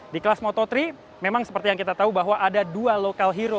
di kelas moto tiga memang seperti yang kita tahu bahwa ada dua lokal hero